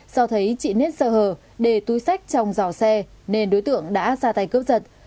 do thấy chị nết sợ hờ để túi sách trong dò xe nên đối tượng đã ra tay cướp giật